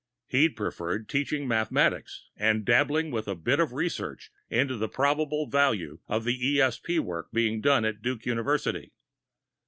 He'd preferred teaching mathematics and dabbling with a bit of research into the probable value of the ESP work being done at Duke University.